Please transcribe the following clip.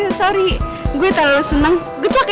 eh sorry gue tak lalu senang good luck ya